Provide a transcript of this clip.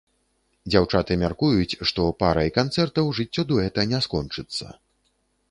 Дзяўчаты мяркуюць, што парай канцэртаў жыццё дуэта не скончыцца.